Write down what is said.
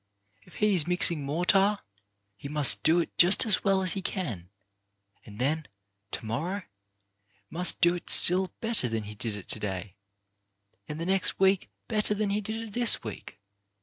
If he is mixing mortar, he must do it just as well as he can, and then, to morrow, must do it still better than he did it to day, and the next week better than he did it this week.